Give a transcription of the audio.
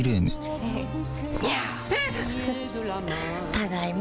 ただいま。